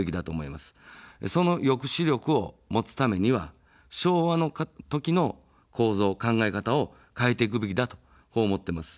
その抑止力を持つためには昭和の時の構造、考え方を変えていくべきだと思っています。